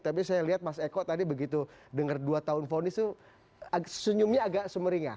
tapi saya lihat mas eko tadi begitu dengar dua tahun vonis itu senyumnya agak sumeringah